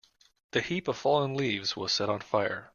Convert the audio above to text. The heap of fallen leaves was set on fire.